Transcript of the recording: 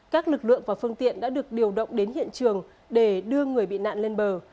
các lực lượng và phương tiện đã được điều động đến hiện trường để đưa người bị nạn lên bờ